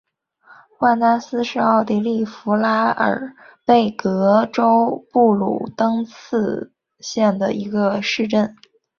万丹斯是奥地利福拉尔贝格州布卢登茨县的一个市镇。